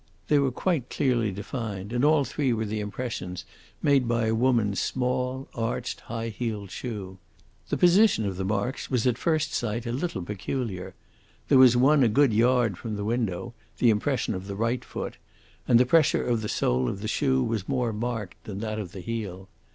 They were quite clearly defined, and all three were the impressions made by a woman's small, arched, high heeled shoe. The position of the marks was at first sight a little peculiar. There was one a good yard from the window, the impression of the right foot, and the pressure of the sole of the shoe was more marked than that of the heel.